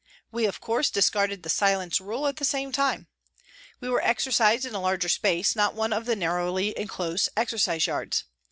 We, of course, discarded the " silence " rule at the same time. We were exercised in a larger space, not one of the narrowly enclosed exercise yards.